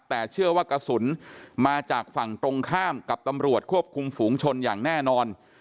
แต่เชื่อว่ากระสุนมาจากฝั่งตรงข้ามกับตำรวจควบคุมฝูงชนอย่างแน่นอน